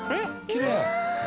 きれい。